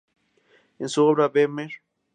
En su obra "Vermeer.